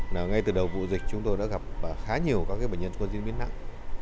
ngay từ đầu vụ dịch chúng tôi đã gặp khá nhiều bệnh nhân có diễn biến nặng